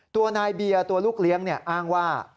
ตัวนายเบียร์ตัวลูกเลี้ยงอ้างว่า